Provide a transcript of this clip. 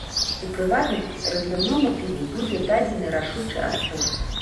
У прыватнасці, разліўному піву будзе дадзены рашучы адпор.